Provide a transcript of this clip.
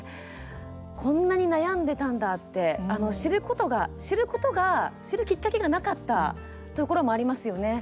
こんなに悩んでたんだって知ることが知るきっかけがなかったところもありますよね。